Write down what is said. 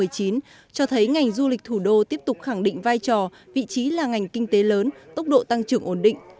cho thấy ngành du lịch thủ đô tiếp tục khẳng định vai trò vị trí là ngành kinh tế lớn tốc độ tăng trưởng ổn định